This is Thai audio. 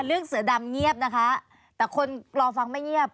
เรื่องเสือดำเงียบนะคะแต่คนรอฟังไม่เงียบ